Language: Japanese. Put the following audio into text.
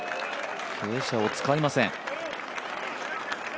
傾斜を使いません。